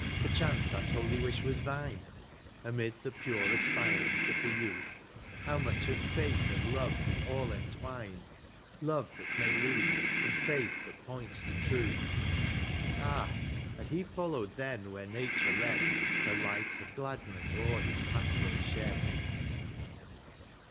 perchance that holy wish was thine ; Amid the pure aspirings of the youth How much of faith and love with all entwine^ — Love that may lead, and faith that points to truth : Ah ! had he followed then where nature led, Her light had gladness o'er his pathway shed.